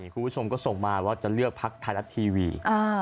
คุณผู้ชมก็ส่งมาว่าจะเลือกพักไทยรัฐทีวี